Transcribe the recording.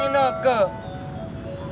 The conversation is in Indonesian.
dari neng ani kamu ngejar neng ineke